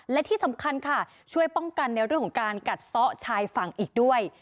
และที่สำคัญค่ะช่วยป้องกันในเรื่องของการกัดซ้อชายฝั่งอีกด้วย